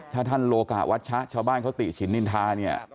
ถ้าท่านโลกะวัชชะชาวบ้านเขาติฉินนินทาเนี่ย